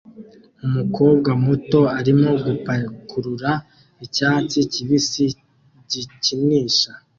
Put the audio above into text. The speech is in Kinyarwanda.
Umukobwa muto arimo gupakurura icyatsi kibisi gikinisha